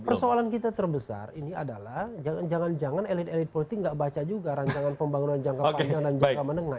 persoalan kita terbesar ini adalah jangan jangan elit elit politik nggak baca juga rancangan pembangunan jangka panjang dan jangka menengah